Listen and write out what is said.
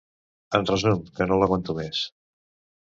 En resum: que no l'aguanto més.